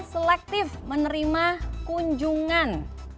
selektif menerima kunjungan